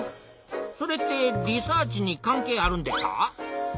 それってリサーチに関係あるんでっか？